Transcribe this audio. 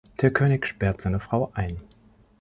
Der König sperrt seine Frau ein.